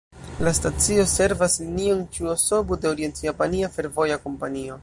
La stacio servas Linion Ĉuo-Sobu de Orient-Japania Fervoja Kompanio.